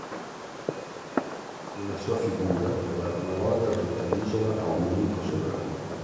Nella sua figura per la prima volta tutta l'isola ha un unico sovrano.